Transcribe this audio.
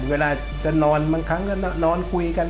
เวลาจะนอนบางครั้งก็นอนคุยกัน